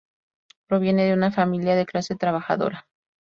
Proviene de una familia de clase trabajadora.